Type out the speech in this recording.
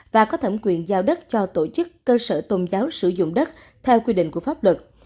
và có thẩm quyền giao đất cho tổ chức cơ sở tôn giáo sử dụng đất theo quy định của pháp luật